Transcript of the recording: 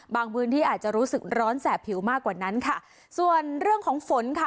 พื้นที่อาจจะรู้สึกร้อนแสบผิวมากกว่านั้นค่ะส่วนเรื่องของฝนค่ะ